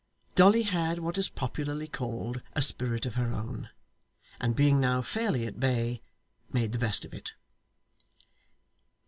Dolly had what is popularly called a spirit of her own, and being now fairly at bay, made the best of it.